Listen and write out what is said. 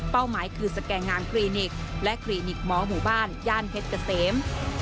หมายคือสแก่งานคลินิกและคลินิกหมอหมู่บ้านย่านเพชรเกษม